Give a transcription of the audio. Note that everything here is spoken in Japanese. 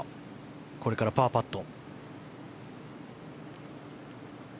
これからパーパット。